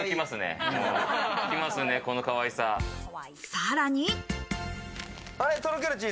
さらに。